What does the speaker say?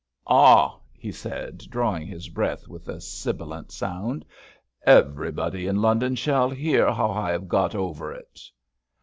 "Ah!" he said, drawing his breath with a sibilant sound, "everybody in London shall hear how I have got over it."